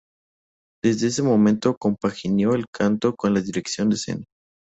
Desde ese momento compaginó el canto con la dirección de escena.